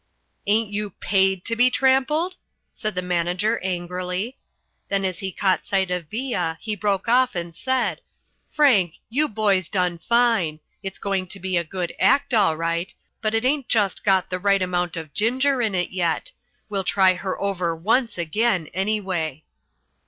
"Ain't you paid to be trampled?" said the manager angrily. Then as he caught sight of Villa he broke off and said: "Frank, you boys done fine. It's going to be a good act, all right. But it ain't just got the right amount of ginger in it yet. We'll try her over once again, anyway."